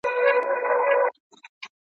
دومره بیدار او هوښیار سي `